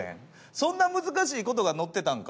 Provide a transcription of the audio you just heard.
そんな難しいことが載ってたんか？